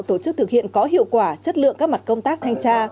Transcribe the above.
tổ chức thực hiện có hiệu quả chất lượng các mặt công tác thanh tra